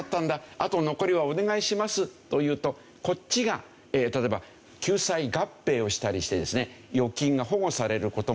あと残りはお願いしますというとこっちが例えば救済合併をしたりしてですね預金が保護される事もある。